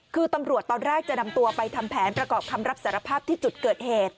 คือตำรวจตอนแรกจะนำตัวไปทำแผนประกอบคำรับสารภาพที่จุดเกิดเหตุ